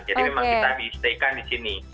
jadi memang kita di staykan di sini